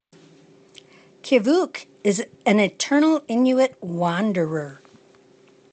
Kiviuq is an eternal Inuit wanderer.